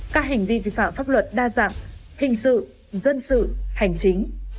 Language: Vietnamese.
các hành vi vi phạm pháp luật đa dạng hình sự dân sự hành chính